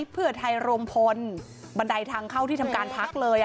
เพื่อไทยรวมพลบันไดทางเข้าที่ทำการพักเลย